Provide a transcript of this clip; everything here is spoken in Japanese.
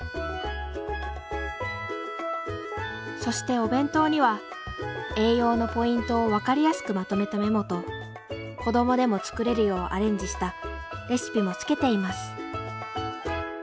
そしてお弁当には栄養のポイントを分かりやすくまとめたメモと子どもでも作れるようアレンジしたレシピもつけています。